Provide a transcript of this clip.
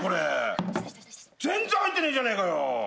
全然入ってねえじゃねえかよ。